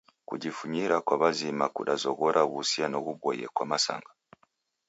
Kujifunyira kwa w'azima kudazoghora w'uhusiano ghuboie kwa masanga.